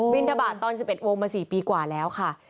ทบาทตอน๑๑โมงมา๔ปีกว่าแล้วค่ะ